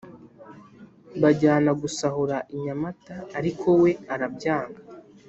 Bajyana gusahura I Nyamata ariko we arabyanga